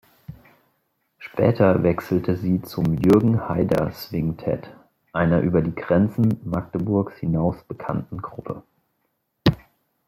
Später wechselte sie zum Jürgen-Heider-Swingtett, einer über die Grenzen Magdeburgs hinaus bekannten Gruppe.